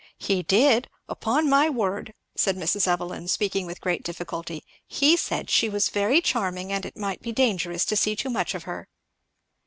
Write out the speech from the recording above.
"He did! upon my word! " said Mrs. Evelyn, speaking with great difficulty; "he said she was very charming, and it might be dangerous to see too much of her."